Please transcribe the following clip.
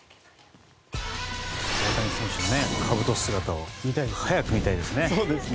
大谷選手のかぶと姿を早く見たいですね。